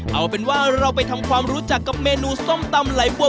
เอาเป็นว่าเราไปทำความรู้จักกับเมนูส้มตำไหลบัว